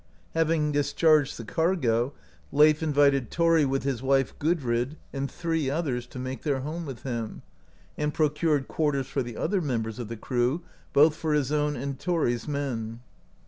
Having discharged the cargo, Leif in vited Thori, with his wife, Gudrid, and three others, to make their home with him, and procured quarters for the other members of the crew, both for his own and Thori's men.